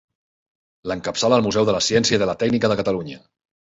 L'encapçala el Museu de la Ciència i de la Tècnica de Catalunya.